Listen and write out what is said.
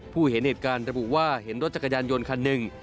เห็นเหตุการณ์ระบุว่าเห็นรถจักรยานยนต์คันหนึ่ง